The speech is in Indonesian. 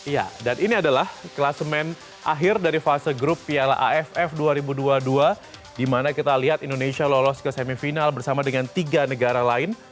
ya dan ini adalah kelas main akhir dari fase grup piala aff dua ribu dua puluh dua di mana kita lihat indonesia lolos ke semifinal bersama dengan tiga negara lain